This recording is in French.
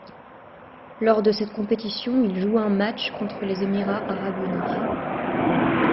Lors de cette compétition, il joue un match contre les Émirats arabes unis.